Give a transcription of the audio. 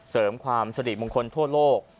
เสริมความสริมงคลทั่วโลก